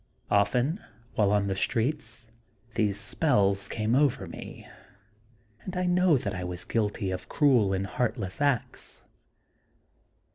Often while on the streets these spells came over me, and I know that I was guilty of cruel and heartless acts.